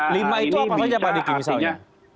lima itu apa saja pak diki misalnya